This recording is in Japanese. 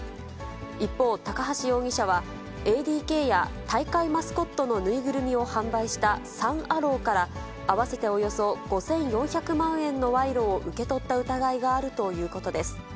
一方、高橋容疑者は、ＡＤＫや大会マスコットの縫いぐるみを販売したサン・アローから、合わせておよそ５４００万円の賄賂を受け取った疑いがあるということです。